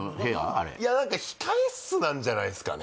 あれ何か控室なんじゃないっすかね？